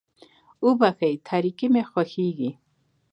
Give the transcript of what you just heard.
وبښئ تاريکي مې خوښېږي.